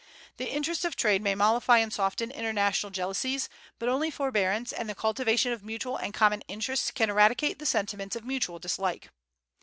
The interests of trade may mollify and soften international jealousies, but only forbearance and the cultivation of mutual and common interests can eradicate the sentiments of mutual dislike.